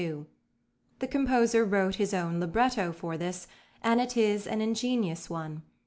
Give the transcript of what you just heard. The composer wrote his own libretto for this, and it is an ingenious one.